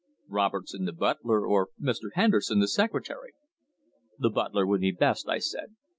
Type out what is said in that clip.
"Robertson, the butler, or Mr. Henderson, the secretary." "The butler would be best," I said.